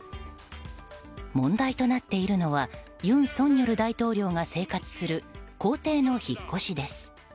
問題となっているのは尹錫悦大統領が生活する公邸の引っ越しです。